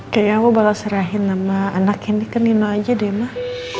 kayaknya aku bakal serahin nama anak ini ke nino aja deh mah